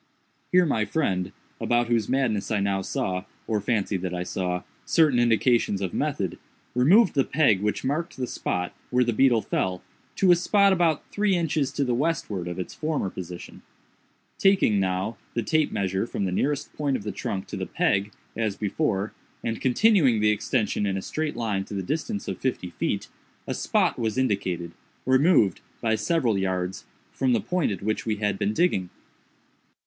Here my friend, about whose madness I now saw, or fancied that I saw, certain indications of method, removed the peg which marked the spot where the beetle fell, to a spot about three inches to the westward of its former position. Taking, now, the tape measure from the nearest point of the trunk to the peg, as before, and continuing the extension in a straight line to the distance of fifty feet, a spot was indicated, removed, by several yards, from the point at which we had been digging.